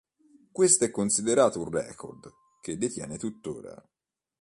Questo è considerato un record, che detiene tuttora.